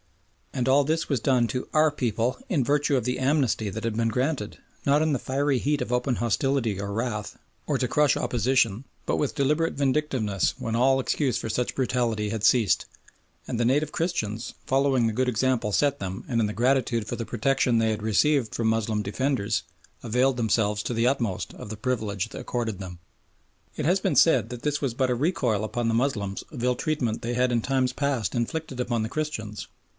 And all this was done to "Our people" in virtue of the "Amnesty" that had been granted, not in the fiery heat of open hostility or wrath, or to crush opposition, but with deliberate vindictiveness when all excuse for such brutality had ceased. And the native Christians, following the good example set them and in gratitude for the protection they had received from Moslem defenders, availed themselves to the utmost of the privilege accorded them. It has been said that this was but a recoil upon the Moslems of ill treatment they had in times past inflicted upon the Christians.